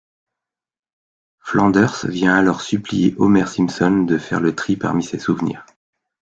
Flanders vient alors supplier Homer Simpson de faire le tri parmi ses souvenirs.